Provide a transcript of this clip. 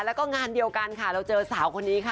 แล้วก็งานเดียวกันค่ะเราเจอสาวคนนี้ค่ะ